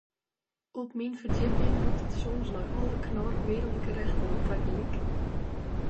Op myn ferdjipping rûkt it soms nei alle Knorr Wereldgerechten tagelyk.